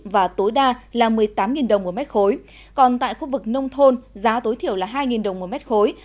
và tối đa là một mươi tám đồng một mét khối